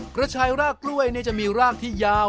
กระชายรากกล้วยจะมีรากที่ยาว